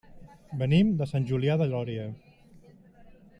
Venim de Sant Julià de Lòria.